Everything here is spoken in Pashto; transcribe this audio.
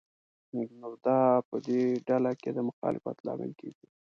نو دا په دې ډله کې د مخالفت لامل کېږي.